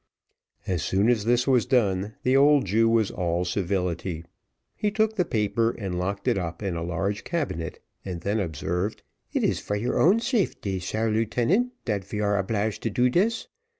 As soon as this was done, the old Jew was all civility. He took the paper, and locked it up in a large cabinet, and then observed, "It is for your own shafety, sare lieutenant, dat we are obliged to do dis.